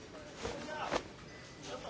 田ちょっと。